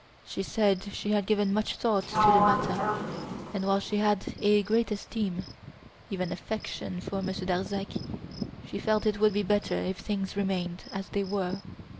She said she had given much thought to the matter and while she had a great esteem, even affection, for Monsieur Darzac, she felt it would be better if things remained as they were.